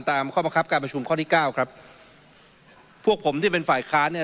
ตามเข้ามาครับการประชุมข้อที่๙ครับพวกผมที่เป็นฝ่ายค้านนี่